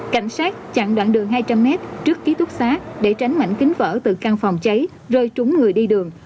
cảnh sát chặn đoạn đường hai trăm linh m trước ký túc xá để tránh mảnh kính vỡ từ căn phòng cháy rơi trúng người đi đường